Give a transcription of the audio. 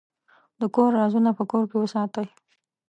د کور رازونه په کور کې وساتئ.